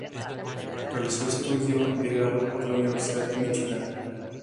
Realizó estudios de grado por la Universidad de Michigan.